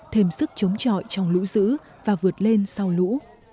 thêm sức chống trọi trong lũ dữ và vượt lên sau lũ